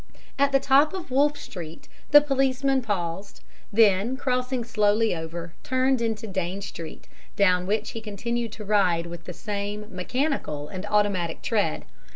"At the top of Wolf Street the policeman paused, then crossing slowly over, turned into Dane Street, down which he continued to ride with the same mechanical and automatic tread.